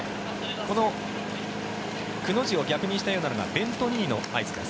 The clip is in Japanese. このくの字を逆にしたようなのがベント・ニーの合図です。